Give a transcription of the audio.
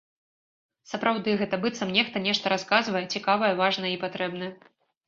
Сапраўды, гэта быццам нехта нешта расказвае, цікавае, важнае і патрэбнае.